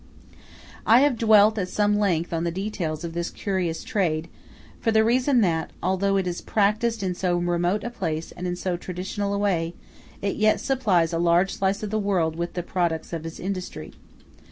I have dwelt at some length on the details of this curious trade, for the reason that, although it is practised in so remote a place and in so traditional a way, it yet supplies a large slice of the world with the products of its industry.